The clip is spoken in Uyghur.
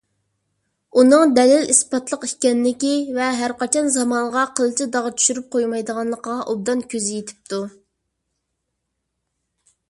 ئۇنىڭ دەلىل - ئىسپاتلىق ئىكەنلىكى ۋە ھەرقاچان زامانغا قىلچە داغ چۈشۈرۈپ قويمايدىغانلىقىغا ئوبدان كۆزى يېتىپتۇ.